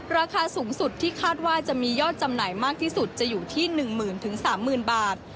ราคาสูงสุดที่คาดว่าจะมียอดจำหน่ายมากที่สุดจะอยู่ที่๑๐๐๐๓๐๐บาท